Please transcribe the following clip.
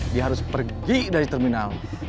dia harus pergi dari terminal